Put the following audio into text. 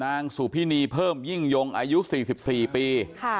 นางสุพินีเพิ่มยิ่งยงอายุ๔๔ปี